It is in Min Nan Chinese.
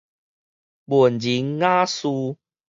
文人雅士